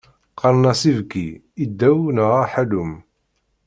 Qqaren-as ibki, iddew neɣ aḥallum.